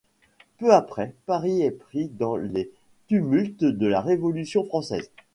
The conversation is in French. Peu après, Paris est pris dans les tumultes de la Révolution française.